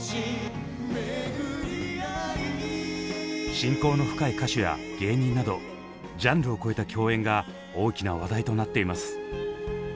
親交の深い歌手や芸人などジャンルを超えた共演が大きな話題となっています。